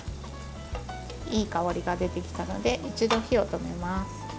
いい香りが出てきたので一度、火を止めます。